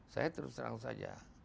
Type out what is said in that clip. saya terus terang saja